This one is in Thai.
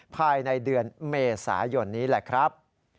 ภายในเดือนเมษายนนี้แหละครับ